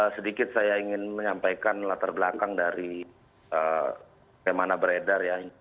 sedikit saya ingin menyampaikan latar belakang dari bagaimana beredar ya